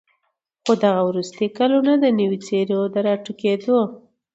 خو دغه وروستي كلونه د نوو څېرو د راټوكېدو